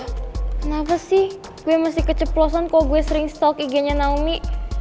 kenapa sih gue masih keceplosan kok gue sering stock ig nya naomi